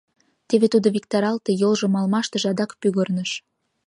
Теве тудо виктаралте, йолжым алмаштыш, адак пӱгырныш...